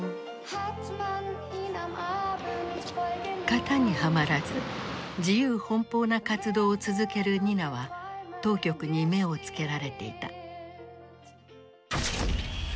型にはまらず自由奔放な活動を続けるニナは当局に目を付けられていた。